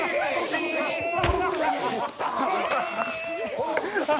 あっ！